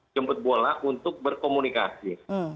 jemput bola untuk berkomunikasi